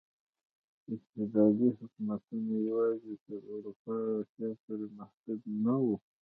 استبدادي حکومتونه یوازې تر اروپا او اسیا پورې محدود نه وو.